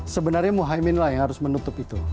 sebenarnya muhaymin lah yang harus menutup itu